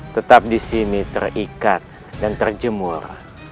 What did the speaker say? tetap disini terikat dan terjemur